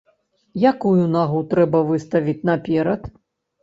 Якую нагу трэба выставіць наперад?